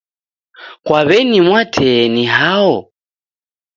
Kwa w'eni Mwatee ni hao?